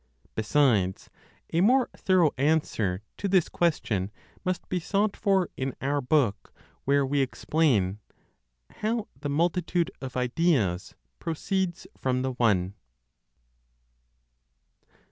Besides, a more thorough answer to this question must be sought for in our book where we explain "How the Multitude of Ideas Proceeds from the One."